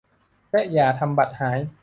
และอย่าทำบัตรหาย